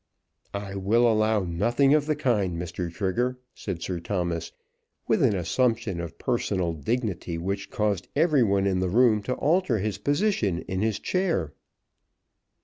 "I will allow nothing of the kind, Mr. Trigger," said Sir Thomas, with an assumption of personal dignity which caused everyone in the room to alter his position in his chair.